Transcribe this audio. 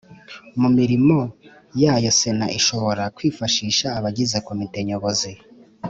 Mu mirimo yayo Sena ishobora kwifashisha abagize komite nyobozi